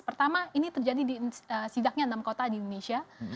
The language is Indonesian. pertama ini terjadi di sidaknya enam kota di indonesia